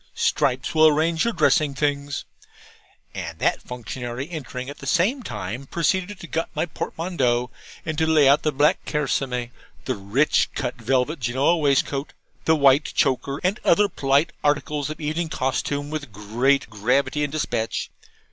Stripes will arrange your dressing things;' and that functionary, entering at the same time, proceeded to gut my portmanteau, and to lay out the black kerseymeres, 'the rich cut velvet Genoa waistcoat,' the white choker, and other polite articles of evening costume, with great gravity and despatch.